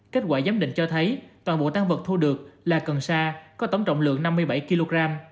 kết quả giám định cho thấy toàn bộ tan vật thu được là cần sa có tổng trọng lượng năm mươi bảy kg